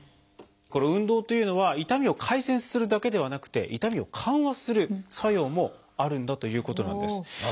この運動というのは痛みを改善するだけではなくて痛みを緩和する作用もあるんだということなんです。